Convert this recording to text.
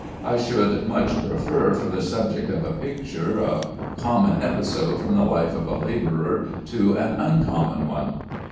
I should much prefer for the subject of a picture, a common episode from the life of a laborer to an uncommon one.